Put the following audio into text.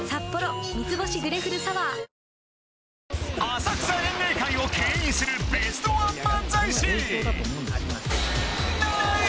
浅草演芸界をけん引するベストワン漫才師